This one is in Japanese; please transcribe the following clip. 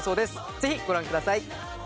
ぜひご覧ください。